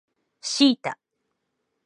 シータ